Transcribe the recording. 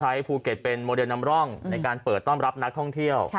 ภูเก็ตเป็นโมเดลนำร่องในการเปิดต้อนรับนักท่องเที่ยว